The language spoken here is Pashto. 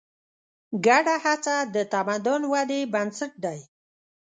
ګډه هڅه د تمدن ودې بنسټ دی.